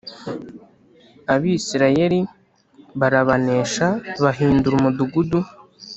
Abisirayeli barabanesha bahindura umudugudu